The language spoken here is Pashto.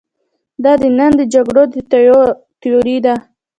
دا د نن د جګړو د توطیو تیوري ده.